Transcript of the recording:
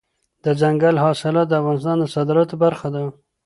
دځنګل حاصلات د افغانستان د صادراتو برخه ده.